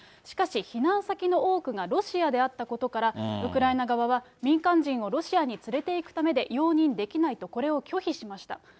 しかし避難先の多くがロシアであったことから、ウクライナ側は、民間人をロシアに連れていくためで容認できないと、これを拒否しました。